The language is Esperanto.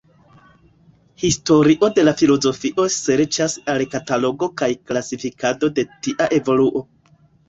Historio de filozofio serĉas al katalogo kaj klasifikado de tia evoluo.